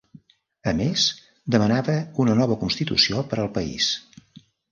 A més, demanava una nova constitució per al país.